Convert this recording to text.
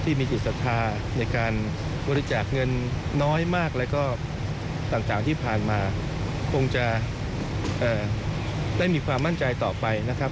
จิตศรัทธาในการบริจาคเงินน้อยมากแล้วก็ต่างที่ผ่านมาคงจะได้มีความมั่นใจต่อไปนะครับ